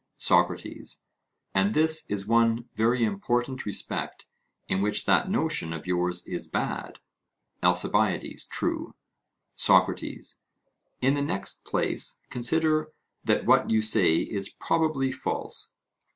SOCRATES: And this is one very important respect in which that notion of yours is bad. ALCIBIADES: True. SOCRATES: In the next place, consider that what you say is probably false.